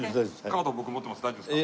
カード僕持ってます。